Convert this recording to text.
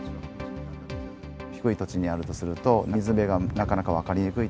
低い土地にあるとすると、水辺がなかなか分かりにくい。